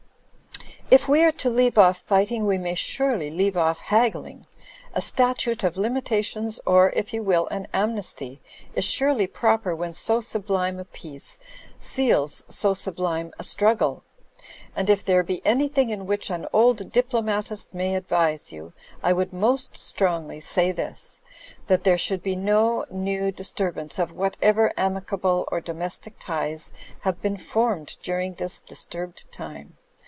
*lf we are to leave off fighting, we may surely leave off haggling. A statute of limitations or, if you will, an amnesty, is surely proper when so sublime a peace, seals so sublime a struggle. And if there be anything in which an old diplomatist may advise you, I would most strongly say this: that there should be no new disturbance of whatever amicable or domestic ties have been formed during this disturbed time.